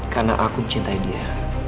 karena aku mencintai dia